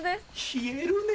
冷えるね。